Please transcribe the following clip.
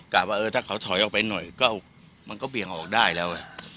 ว่าเออถ้าเขาถอยออกไปหน่อยก็มันก็เบี่ยงออกได้แล้ว